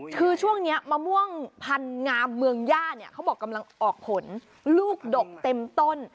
คือช่วงนี้มะม่วงพันงามเมืองย่าเนี่ยเขาบอกกำลังออกผลลูกดกเต็มต้น